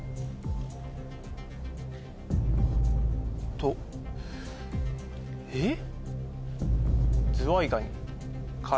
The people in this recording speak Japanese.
とえっ？